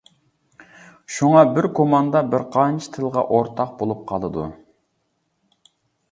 شۇڭا بىر كوماندا بىر قانچە تىلغا ئورتاق بولۇپ قالىدۇ.